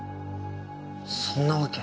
そんなわけ。